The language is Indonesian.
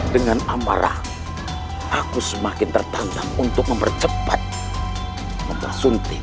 dengan amarah aku semakin tertantang untuk mempercepat mempersunting